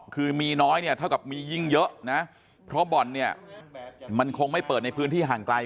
คือมีน้อยเนี่ยเท่ากับมียิ่งเยอะนะเพราะบ่อนเนี่ยมันคงไม่เปิดในพื้นที่ห่างไกล